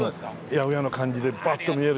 八百屋の感じでバッと見えるし。